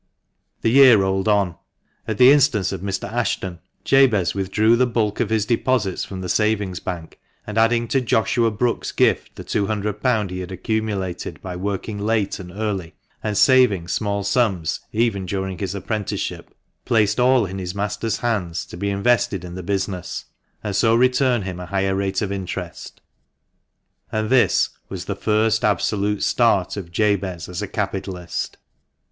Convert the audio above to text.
The year rolled on. At the instance of Mr. Ashton, Jabez withdrew the bulk of his deposits from the Savings Bank, and adding to Joshua Brookes's gift the £200 he had accumulated by working late and early, and saving small sums even during his apprenticeship, placed all in his master's hands to be invested in the business and so return him a higher rate of interest. And this was the first absolute start of Jabez as a capitalist.